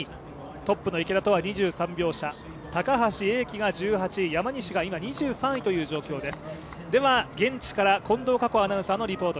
トップの池田とは２３秒差そして高橋英輝が１８位山西が今２３位という状況です。